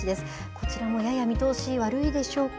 こちらもやや見通し悪いでしょうか。